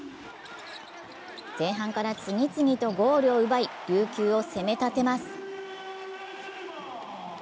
前半から次々とゴールを奪い、琉球を攻め立てます。